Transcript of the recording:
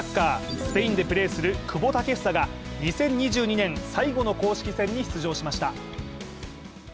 スペインでプレーする久保建英が２０２２年最後の公式戦に出場しました。